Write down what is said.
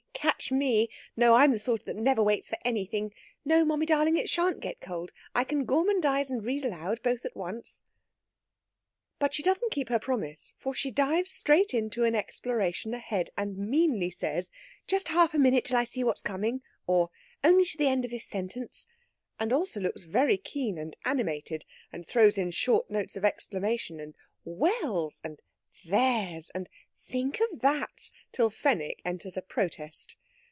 Catch me! No, I'm the sort that never waits for anything.... No, mummy darling; it shan't get cold. I can gormandize and read aloud both at once." But she doesn't keep her promise, for she dives straight into an exploration ahead, and meanly says, "Just half a minute till I see what's coming," or, "Only to the end of this sentence," and also looks very keen and animated, and throws in short notes of exclamation and well's and there's and think of that's till Fenwick enters a protest.